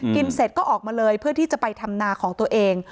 เสร็จก็ออกมาเลยเพื่อที่จะไปทำนาของตัวเอง